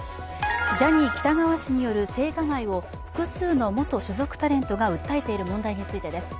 ジャニー喜多川氏による性被害を複数の元所属タレントが訴えている問題についてです。